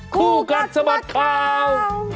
คู่กันสมัครข่าว